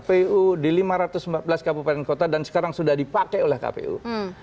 dan hak akses kepada kpu di lima ratus empat belas kabupaten dan kota dan sekarang sudah dipakai oleh kpu